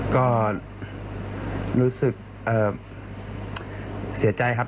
ก็รู้สึกเสียใจครับ